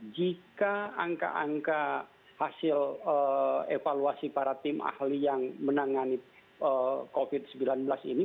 jika angka angka hasil evaluasi para tim ahli yang menangani covid sembilan belas ini